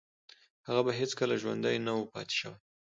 هغه به هیڅکله ژوندی نه و پاتې شوی